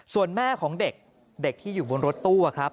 ส่วนแม่ของเด็กเด็กที่อยู่บนรถตู้ครับ